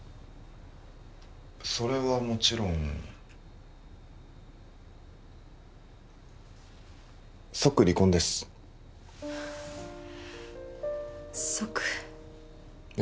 それはもちろん即離婚です即え